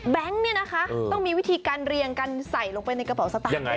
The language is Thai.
แบงค์เนี่ยนะคะต้องมีวิธีการเรียงการใส่ลงไปในกระเป๋าสตาร์ทเลยค่ะ